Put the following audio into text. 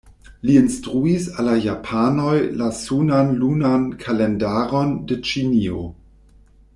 Li instruis al la japanoj la sunan-lunan kalendaron de Ĉinio.